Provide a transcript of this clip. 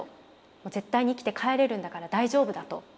絶対に生きて帰れるんだから大丈夫だと。